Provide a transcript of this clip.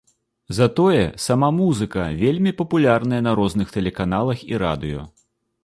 Затое сама музыка вельмі папулярная на розных тэлеканалах і радыё.